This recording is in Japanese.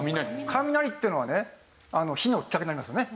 雷っていうのはね火のきっかけになりますよね。